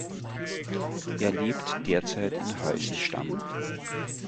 Er lebt derzeit in Heusenstamm.